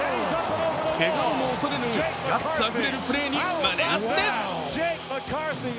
けがをも恐れぬガッツあふれるプレーに胸アツです。